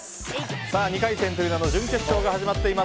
２回戦という名の決勝が始まっています。